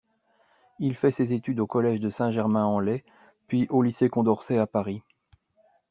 Il fait ses études au collège de Saint-Germain-en-Laye puis au lycée Condorcet à Paris.